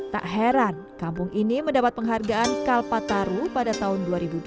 tak heran kampung ini mendapat penghargaan kalpataru pada tahun dua ribu dua